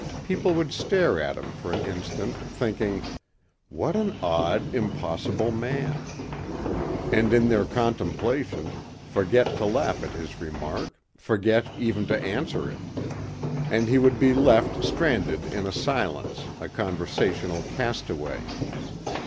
People would stare at him for an instant thinking, "What an odd, impossible man." And in their contemplation, forget to laugh at his remark, forget even to answer it. And he would be left stranded in a silence a conversational castaway.